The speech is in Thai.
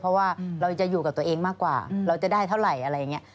เพราะว่าเราจะอยู่กับตัวเองมากกว่าเราจะได้เท่าไหร่อะไรอย่างนี้